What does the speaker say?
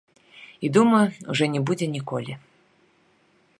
І, думаю, ужо не будзе ніколі.